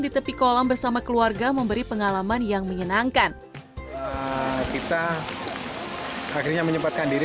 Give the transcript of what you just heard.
di tepi kolam bersama keluarga memberi pengalaman yang menyenangkan kita akhirnya menyempatkan diri